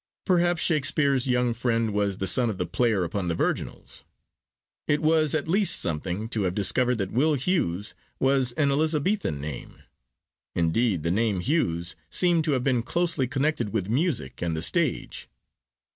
Perhaps Shakespeare's young friend was the son of the player upon the virginals? It was at least something to have discovered that Will Hews was an Elizabethan name. Indeed the name Hews seemed to have been closely connected with music and the stage.